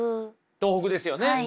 東北ですよね。